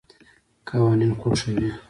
قوانین خوښوي.